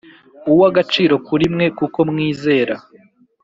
uw agaciro kuri mwe kuko mwizera